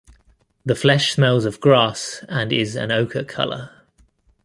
The flesh smells of grass and is an ocher color.